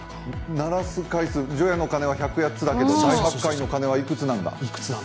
鳴らす回数、除夜の鐘は１０８回だけど、大発会の鐘はいくつなんだ。